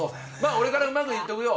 俺からうまく言っとくよ。